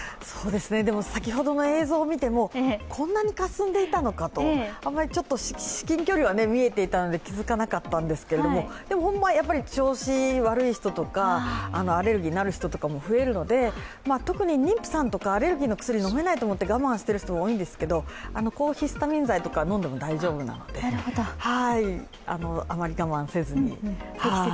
先ほどの映像を見てもこんなにかすんでいたのかと至近距離は見えていたので気づかなかったんですけど、調子悪い人とか、アレルギーになる人とかも増えるので、特に妊婦さんとかアレルギーの薬とか飲めないと思って我慢している人も多いんですけど、抗ヒスタミン剤とか飲んでも大丈夫なのであまり我慢せずに。